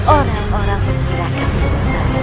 orang orang mengira kau sudah mati